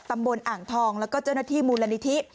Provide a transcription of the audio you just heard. ตำบลอ่างทองแล้วก็จนที่มูลนิทิ